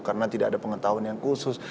karena tidak ada pengetahuan yang khusus